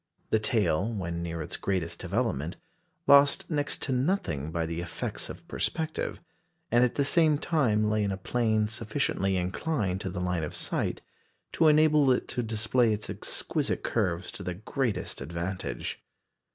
The tail, when near its greatest development, lost next to nothing by the effects of perspective, and at the same time lay in a plane sufficiently inclined to the line of sight to enable it to display its exquisite curves to the greatest advantage.